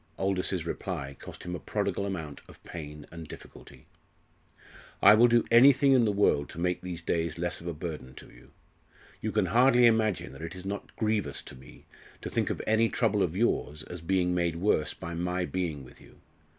Aldous's reply cost him a prodigal amount of pain and difficulty. "I will do anything in the world to make these days less of a burden to you. You can hardly imagine that it is not grievous to me to think of any trouble of yours as being made worse by my being with you.